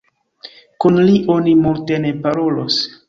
Kun li oni multe ne parolos!